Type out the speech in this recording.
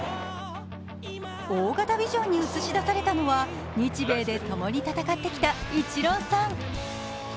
大型ビジョンに映し出されたのは日米でともに戦ってきたイチローさん。